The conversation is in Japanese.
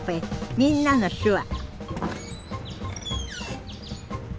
「みんなの手話」